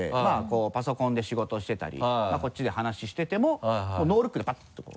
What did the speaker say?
パソコンで仕事してたりこっちで話しててももうノールックでパッとこう。